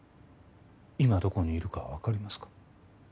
今どこにいるかは分かりますか？